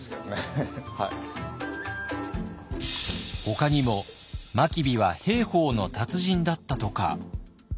ほかにも真備は兵法の達人だったとか。